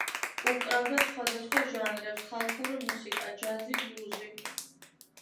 უკრავდა სხვადასხვა ჟანრებს: ხალხური მუსიკა, ჯაზი, ბლუზი.